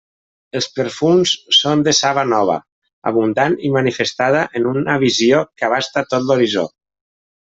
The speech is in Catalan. Els perfums són de saba nova, abundant i manifestada en una visió que abasta tot l'horitzó.